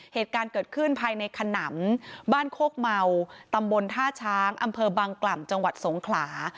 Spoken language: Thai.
เหตุการณ์เกิดขึ้นภายในขนำบ้านโคกเมาตำบลท่าช้างอำเภอบางกล่ำจังหวัดสงขลา